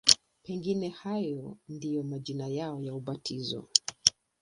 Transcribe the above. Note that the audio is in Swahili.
Pengine hayo ndiyo majina yao ya ubatizo.